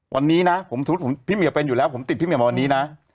วันนี้นะผมสมมุติพี่เหมียวเป็นอยู่แล้วผมติดพี่เหี่ยวมาวันนี้นะ